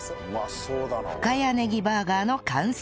深谷ねぎバーガーの完成